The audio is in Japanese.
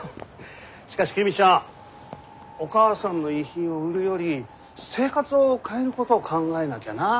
しかし公ちゃんお母さんの遺品を売るより生活を変えることを考えなきゃな。